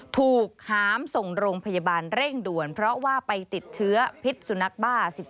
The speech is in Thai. ถูกหามส่งโรงพยาบาลเร่งด่วนเพราะว่าไปติดเชื้อพิษสุนัขบ้า